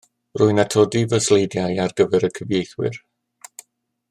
Rwy'n atodi fy sleidiau ar gyfer y cyfieithwyr.